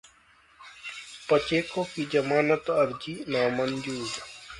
पचेको की जमानत अर्जी नामंजूर